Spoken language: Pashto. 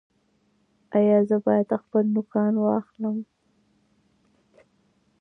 ایا زه باید خپل نوکان واخلم؟